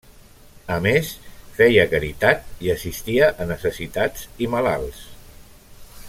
A més, feia caritat i assistia a necessitats i malalts.